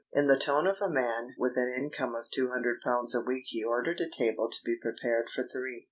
In the tone of a man with an income of two hundred pounds a week he ordered a table to be prepared for three.